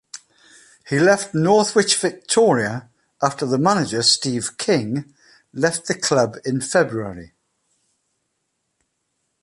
He left Northwich Victoria after the manager, Steve King, left the club in February.